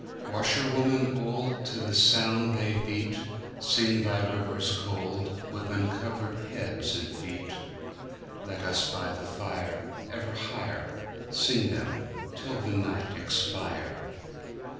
Washerwomen old, To the sound they beat, Sing by rivers cold, With uncovered heads and feet. Let us by the fire Ever higherSing them till the night expire!